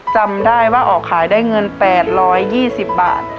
จำได้ว่าออกขายได้เงิน๘๒๐บาท